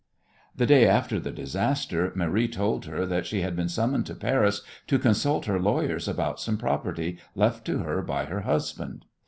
The day after the disaster Marie told her that she had been summoned to Paris to consult her lawyers about some property left to her by her husband.